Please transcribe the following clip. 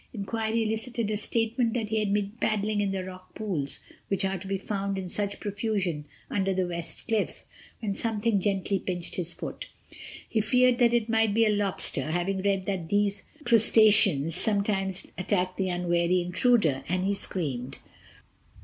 Inquiry elicited a statement that he had been paddling in the rock pools, which are to be found in such profusion under the West Cliff, when something gently pinched his foot. He feared that it might be a lobster, having read that these crustaceans sometimes attack the unwary intruder, and he screamed.